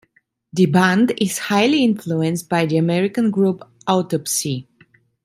The band is highly influenced by the American group Autopsy.